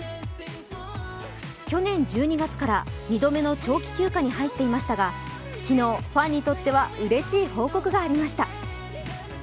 去年１２月から２度目の長期休暇に入っていましたが昨日、ファンにとってはうれしい報告がありました。